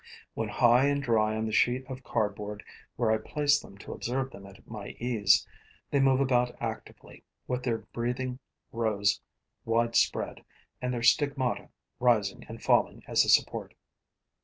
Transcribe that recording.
When high and dry on the sheet of cardboard where I place them to observe them at my ease, they move about actively, with their breathing rose widespread and their stigmata rising and falling as a support.